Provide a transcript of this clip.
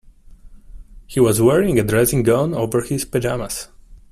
He was wearing a dressing gown over his pyjamas